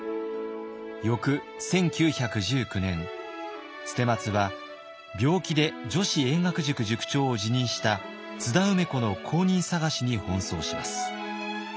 翌１９１９年捨松は病気で女子英学塾塾長を辞任した津田梅子の後任探しに奔走します。